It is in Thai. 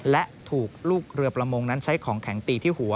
และถูกลูกเรือประมงนั้นใช้ของแข็งตีที่หัว